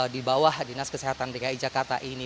di bawah dinas kesehatan dki jakarta ini